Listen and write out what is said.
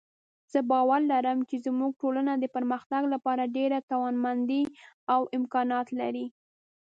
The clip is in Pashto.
زه باور لرم چې زموږ ټولنه د پرمختګ لپاره ډېره توانمندۍ او امکانات لري